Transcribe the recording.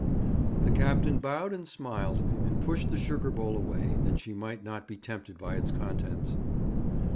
The captain bowed and smiled, and pushed the sugar bowl away, that she might not be tempted by its contents.